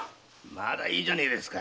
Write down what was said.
まだいいじゃねえですか！